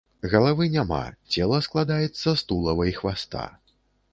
Галавы няма, цела складаецца з тулава і хваста.